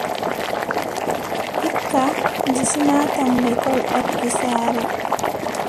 Hikka, Disi naatan lekkol ɗaki saare.